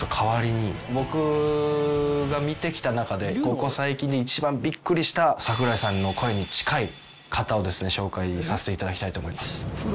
ここ最近で一番ビックリした桜井さんの声に近い方をですね紹介させていただきたいと思います